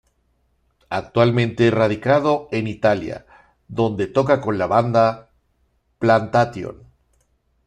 Actualmente radicado en Italia, donde toca con la banda "Plantation".